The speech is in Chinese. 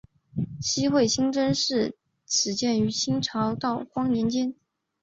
西会清真寺始建于清朝道光年间。